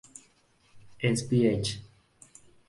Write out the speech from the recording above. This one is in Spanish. Es Ph.